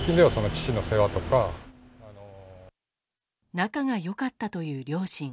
仲が良かったという両親。